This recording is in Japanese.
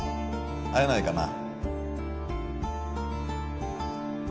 会えないかな？